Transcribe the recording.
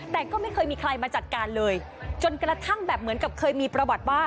แต่ก็ไม่เคยมีใครมาจัดการเลยจนกระทั่งแบบเหมือนกับเคยมีประวัติว่า